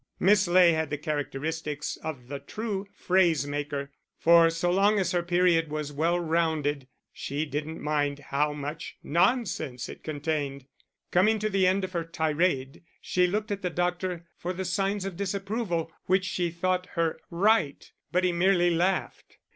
Miss Ley had the characteristics of the true phrase maker, for so long as her period was well rounded, she did not mind how much nonsense it contained. Coming to the end of her tirade, she looked at the doctor for the signs of disapproval which she thought her right, but he merely laughed.